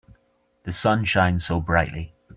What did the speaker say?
The sun shines so brightly.